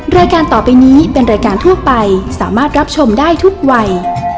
รายการต่อไปนี้เป็นรายการทั่วไปสามารถรับชมได้ทุกวัย